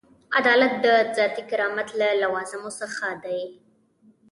عدالت د ذاتي کرامت له لوازمو څخه دی.